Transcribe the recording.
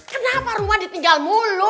kenapa rumah ditinggal mulu